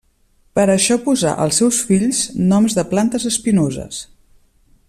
Per això posà als seus fills noms de plantes espinoses.